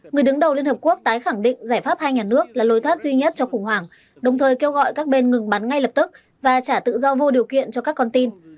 người đứng đầu liên hợp quốc tái khẳng định giải pháp hai nhà nước là lối thoát duy nhất cho khủng hoảng đồng thời kêu gọi các bên ngừng bắn ngay lập tức và trả tự do vô điều kiện cho các con tin